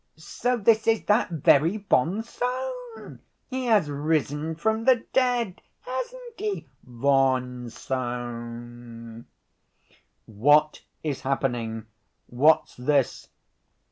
So this is that very von Sohn. He has risen from the dead, hasn't he, von Sohn?" "What is happening? What's this?"